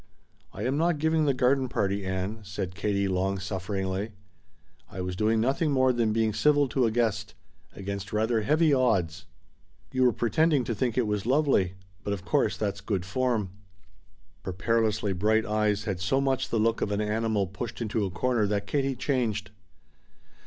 "I am not giving the garden party, Ann," said Katie long sufferingly. "I was doing nothing more than being civil to a guest against rather heavy odds." "You were pretending to think it was lovely. But of course that's good form!" Her perilously bright eyes had so much the look of an animal pushed into a corner that Katie changed.